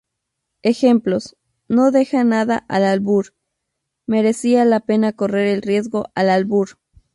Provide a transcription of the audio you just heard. Ejemplos: "No deja nada al albur", "merecía la pena correr el riesgo al albur".